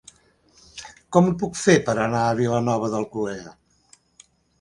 Com ho puc fer per anar a Vilanova d'Alcolea?